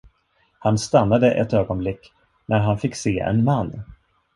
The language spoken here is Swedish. Han stannade ett ögonblick, när han fick se en man.